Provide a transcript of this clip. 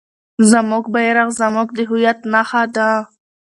زموږ بیرغ زموږ د هویت نښه ده.